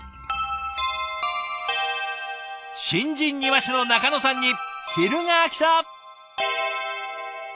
新人庭師の仲野さんに昼がきた！